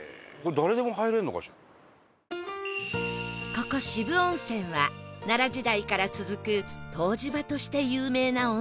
ここ渋温泉は奈良時代から続く湯治場として有名な温泉地